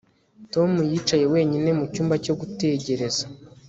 Tom yicaye wenyine mu cyumba cyo gutegereza